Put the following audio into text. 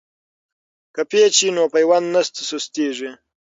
که پیچ وي نو پیوند نه سستیږي.